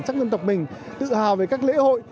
tự hào về các dân tộc mình tự hào về các lễ hội